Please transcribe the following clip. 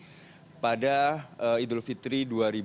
jadi pada idul fitri dua ribu dua puluh